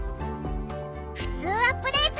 「ふつうアップデート」